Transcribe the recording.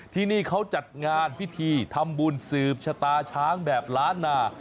ที่นี่เขาจัดงานพิธีทำบุญสืบชะตาช้างแบบล้านนา